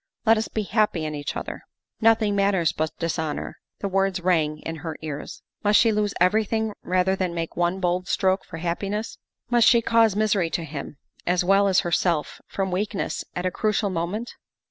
Let us be happy in each other. ''" Nothing matters but dishonor." The words rang in her ears. Must she lose everything rather than make one bold stroke for happiness? Must she cause misery to him as well as herself from weakness at a crucial moment?